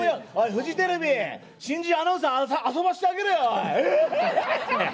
フジテレビ、新人アナウンサー遊ばせてあげろよ。